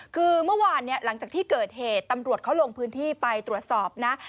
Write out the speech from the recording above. คือเมื่อวานเนี่ยหลังจากที่เกิดเหตุตำรวจเขาลงพื้นที่ไปตรวจสอบนะ